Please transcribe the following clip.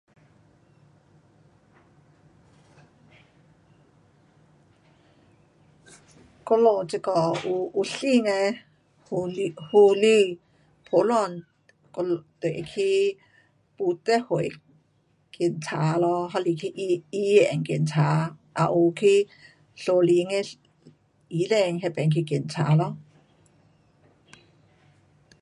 我们这个有，有新的妇女，妇女，普通咱们就会去福德会去检查，还是去医院检查也有去私人医院那边去检查咯。